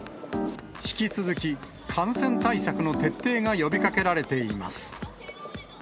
引き続き、感染対策の徹底が呼びかけられています。